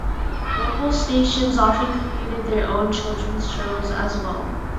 Local stations often created their own children's shows as well.